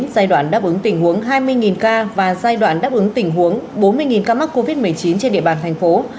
giai đoạn đáp ứng tình huống hai mươi ca và giai đoạn đáp ứng tình huống bốn mươi ca mắc covid một mươi chín trên địa bàn thành phố